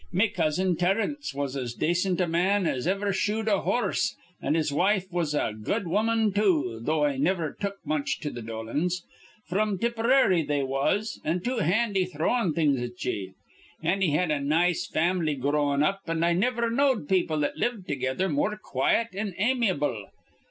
Me cousin Terence was as dacint a man as iver shoed a hor rse; an his wife was a good woman, too, though I niver took much to th' Dolans. Fr'm Tipperary, they was, an' too handy throwin' things at ye. An' he had a nice fam'ly growin' up, an' I niver knowed people that lived together more quite an' amyable.